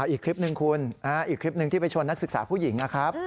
อีกคลิปหนึ่งคุณอีกคลิปหนึ่งที่ไปชนนักศึกษาผู้หญิงนะครับ